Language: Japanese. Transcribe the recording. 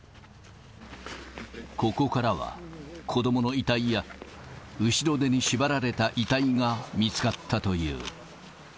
ここからは子どもの遺体や、後ろ手に縛られた遺体が見つかったという。